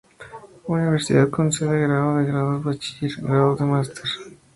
La Universidad concede grado de grados de bachiller, grados de master, y grados doctorales.